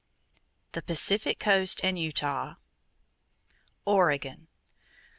THE PACIFIC COAST AND UTAH =Oregon.